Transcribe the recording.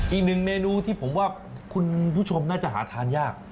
อีกหนึ่งเมนูที่ผมว่าคุณผู้ชมน่าจะหาทานยาก